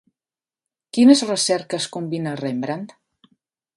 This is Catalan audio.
Quines recerques combina Rembrandt?